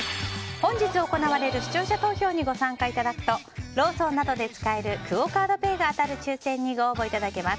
本日行われる視聴者投票に参加いただくとローソンなどで使えるクオ・カードペイが当たる抽選にご応募いただけます。